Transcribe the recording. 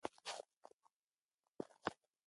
پلار د خپل اولاد په لږ تکلیف هم خورا زیات دردیږي.